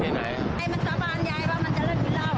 ไอ้มันสาบานยายว่ามันจะเลิกกินเหล้า